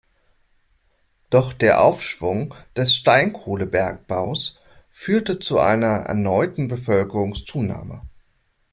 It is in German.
Doch der Aufschwung des Steinkohlenbergbaus führte zu einer erneuten Bevölkerungszunahme.